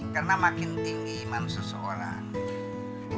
karena makin tinggi iman seseorang